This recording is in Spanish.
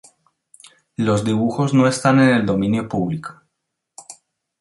Los dibujos no están en el dominio público.